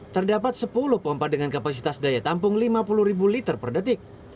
terdapat sepuluh pompa dengan kapasitas daya tampung lima puluh ribu liter per detik